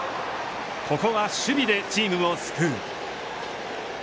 ここは守備でチームを救う。